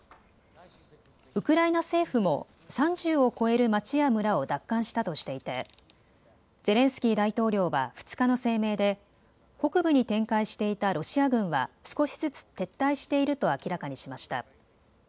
ウクライナ政府も３０を超える町や村を奪還したとしていてゼレンスキー大統領は２日の声明で北部に展開していたロシア軍は少しずつ撤退していると明らかにしました。